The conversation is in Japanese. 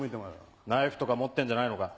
ナイフとか持ってんじゃないのか？